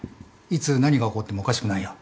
いつ何が起こってもおかしくないよ。